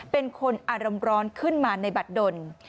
เป็นคนอร่ำร้อนขึ้นมาในบัดดน